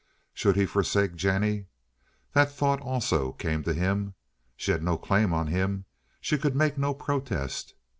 Should he forsake Jennie?—that thought also, came to him. She had no claim on him. She could make no protest.